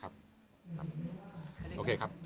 ครับโอเคครับ